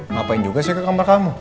ngapain juga saya ke kamar kamu